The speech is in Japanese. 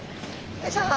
よいしょ！